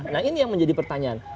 nah ini yang menjadi pertanyaan